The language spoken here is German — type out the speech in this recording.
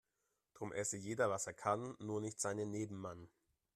Drum esse jeder was er kann, nur nicht seinen Nebenmann.